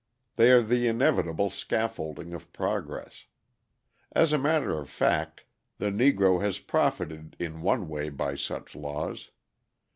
They are the inevitable scaffolding of progress. As a matter of fact, the Negro has profited in one way by such laws.